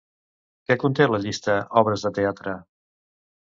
Què conté la llista "obres de teatre"?